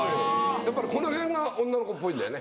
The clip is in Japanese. やっぱりこの辺が女の子っぽいんだよね。